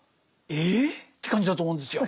え？って感じだと思うんですよ。